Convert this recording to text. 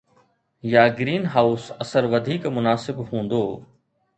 يا greenhouse اثر وڌيڪ مناسب هوندو